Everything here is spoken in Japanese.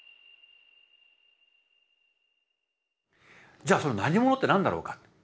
じゃあその「何もの」って何だろうか。